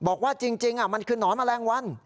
บอกว่าจริงมันคือหนอนแมลงวัน